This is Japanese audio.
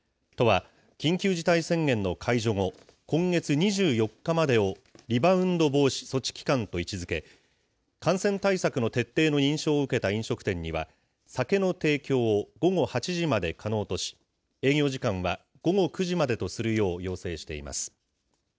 都は緊急事態宣言の解除後、今月２４日までをリバウンド防止措置期間と位置づけ、感染対策の徹底の認証を受けた飲食店には、酒の提供を午後８時まで可能とし、営業時間は午後９時までとするよう要請しています。